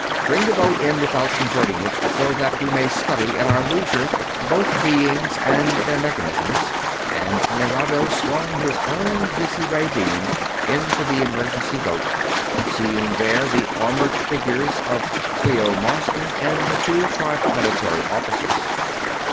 Bring the boat in without converting it, so that we may study at our leisure both the beings and their mechanisms," and Nerado swung his own visiray beam into the emergency boat, seeing there the armored figures of Clio Marsden and the two Triplanetary officers.